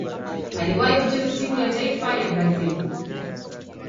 Aliwahi kucheza timu ya taifa ya Brazil.